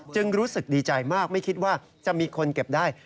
รู้สึกดีใจมากไม่คิดว่าจะมีคนเก็บได้